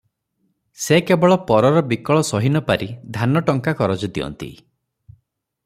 ସେ କେବଳ ପରର ବିକଳ ସହିନପାରି ଧାନ ଟଙ୍କା କରଜ ଦିଅନ୍ତି ।